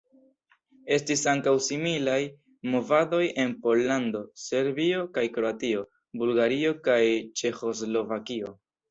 Estis ankaŭ similaj movadoj en Pollando, Serbio kaj Kroatio, Bulgario kaj Ĉeĥoslovakio.